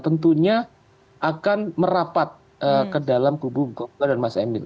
tentunya akan merapat ke dalam kubu golkar dan mas emil